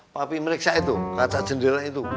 papi meriksa itu kaca jendela itu